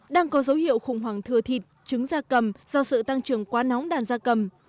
đang có dấu hiệu khủng hoảng thừa thịt trứng da cầm do sự tăng trưởng quá nóng đàn gia cầm